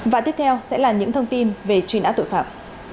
và tiếp theo sẽ là những thông tin về truy nã tội phạm